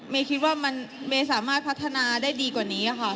คิดว่าเมย์สามารถพัฒนาได้ดีกว่านี้ค่ะ